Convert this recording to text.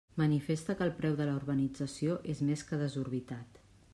Manifesta que el preu de la urbanització és més que desorbitat.